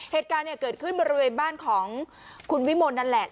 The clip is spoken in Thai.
เหตุการณ์เกิดขึ้นบริเวณบ้านของคุณวิมลนั่นแหละ